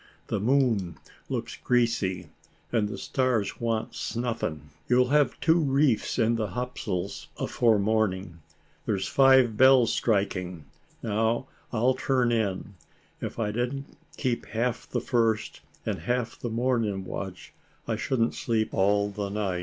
The moon looks greasy, and the stars want snuffing. You'll have two reefs in the topsails afore morning. There's five bells striking. Now, I'll turn in; if I didn't keep half the first, and half the morning watch, I shouldn't sleep all the night.